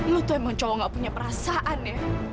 lu tuh emang cowok gak punya perasaan ya